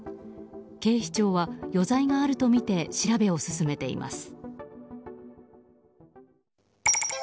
警視庁は余罪があるとみて調べを進めています。